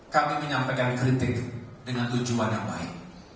kami menyampaikan kritik dengan tujuan yang baik